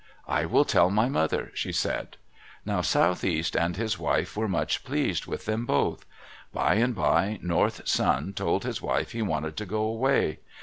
"I will tell my mother," she said. Now Southeast and his wife were much pleased with them both. By and by North's son told his wife he wanted to go away.